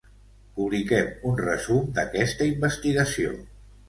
Publiquem un resum d'aquesta investigació.